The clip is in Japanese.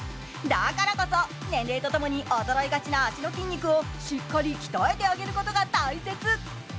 だからこそ、年齢とともに衰えがちな脚の筋肉をしっかり鍛えてあげることが大切。